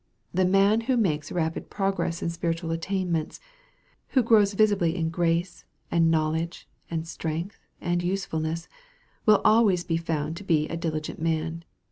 The man who makes rapid progress in spiritual attainments who grows visibly in grace, and knowledge, and strength, and usefulness will always be found to be a diligent man.